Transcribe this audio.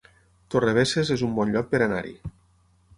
Torrebesses es un bon lloc per anar-hi